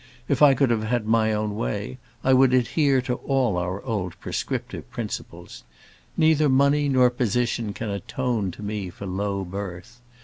If I could have had my own way, I would adhere to all our old prescriptive principles. Neither money nor position can atone to me for low birth.